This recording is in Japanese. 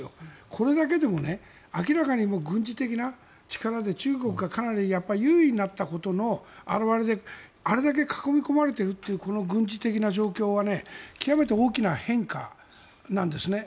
これだけでも明らかに軍事的な力で中国が優位になったことの表れであれだけ囲い込まれているという軍事的な状況は極めて大きな変化なんですね。